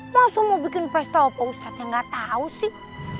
langsung mau bikin pesta opa ustadz yang gak tau sih